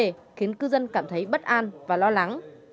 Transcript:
vấn đề khiến cư dân cảm thấy bất an và lo lắng